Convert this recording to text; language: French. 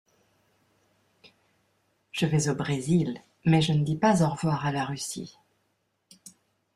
Je vais au Brésil, mais je ne dis pas au revoir à la Russie.